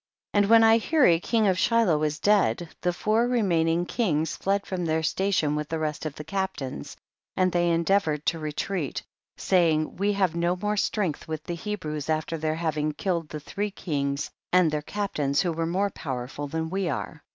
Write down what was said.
2. And when Ihuri king of Shiloh was dead, the four remaining kings fled from their station with the rest of the captains, and they endeavor ed to retreat, saying, we have no more strength with the Hebrews after their having killed the three kings and their captains who were more power ful than we are.